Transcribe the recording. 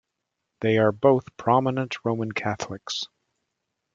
They are both prominent Roman Catholics.